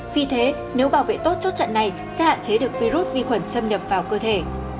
vì thế nếu bảo vệ tốt chốt trận này sẽ hạn chế được virus vi khuẩn xâm nhập vào cơ thể